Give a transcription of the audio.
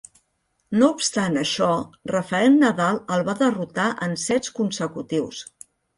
No obstant això, Rafael Nadal el va derrotar en sets consecutius.